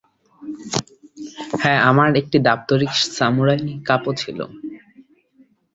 হ্যাঁ, আমার একটা দাপ্তরিক সামুরাই কাপ ও ছিল।